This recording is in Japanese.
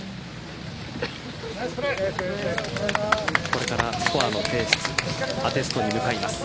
これからスコアの提出アテストに向かいます。